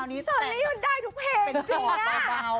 ส่วนนี้มันได้ทุกเพลงจริงนะ